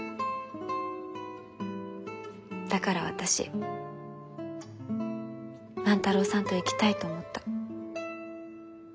だから私万太郎さんと生きたいと思った。